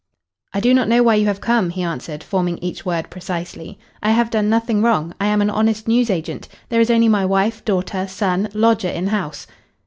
"I do not know why you have come," he answered, forming each word precisely. "I have done nothing wrong. I am an honest newsagent. There is only my wife, daughter, son, lodger in house."